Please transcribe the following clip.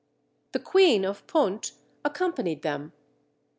The Queen of Punt accompanied them.